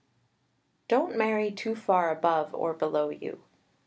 _Don't marry too far above or below you.